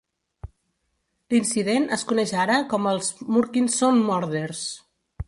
L'incident es coneix ara com els Murchison Murders.